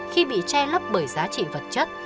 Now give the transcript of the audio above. khi bị che lấp bởi giá trị vật chất